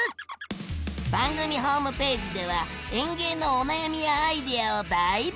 番組ホームページでは園芸のお悩みやアイデアを大募集！